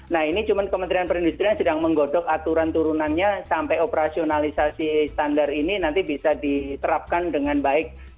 nah ini cuma kementerian perindustrian sedang menggodok aturan turunannya sampai operasionalisasi standar ini nanti bisa diterapkan dengan baik